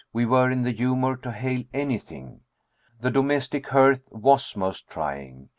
We were in the humor to hail anything. The domestic hearth was most trying.